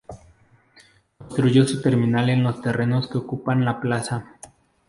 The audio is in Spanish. Construyó su terminal en los terrenos que ocupan la plaza.